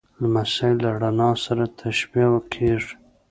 لمسی له رڼا سره تشبیه کېږي.